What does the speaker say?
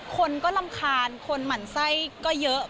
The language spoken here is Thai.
คนก็รำคาญคนหมั่นไส้ก็เยอะ